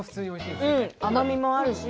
甘みもあるし。